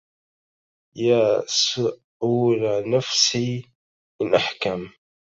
يا سؤل نفسي إن أحكم